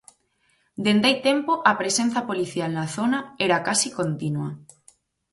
Dende hai tempo a presenza policial na zona era case continua.